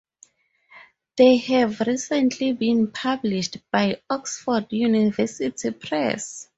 They have recently been published by Oxford University Press.